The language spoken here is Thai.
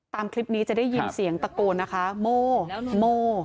ตามคลิปนี้จะได้ยินเสียงตกโม